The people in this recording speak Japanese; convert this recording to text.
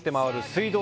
水道